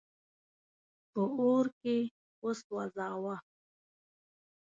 په اور کي وسوځاوه.